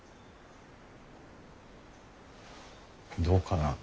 どうかな？